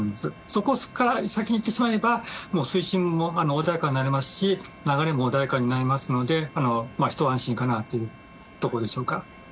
そこから先に行ってしまえば水深も穏やかになりますし流れも穏やかになるのでひと安心かなというところでしょうか。